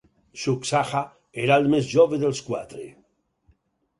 Suksaha era el més jove dels quatre.